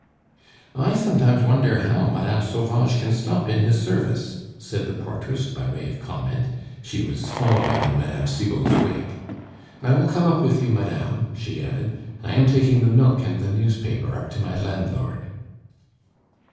"I sometimes wonder how Mme. Sauvage can stop in his service," said the portress, by way of comment; she was following in Mme. Cibot's wake. "I will come up with you, madame" she added; "I am taking the milk and the newspaper up to my landlord."